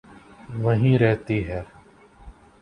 وہیں رہتی ہے۔